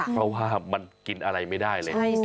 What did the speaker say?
เพราะว่ามันกินอะไรไม่ได้เลย